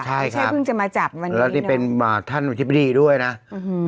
ใช่ครับเพิ่งจะมาจับวันนี้นะแล้วที่เป็นอ่าท่านวัฒนีพิธีด้วยน่ะอือฮึ